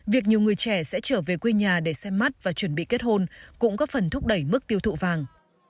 việc nhiều người trẻ sẽ trở về quê nhà để xem mắt và chuẩn bị kết hôn cũng góp phần thúc đẩy mức tiêu thụ vàng